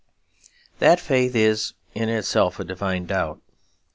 That faith is in itself a divine doubt.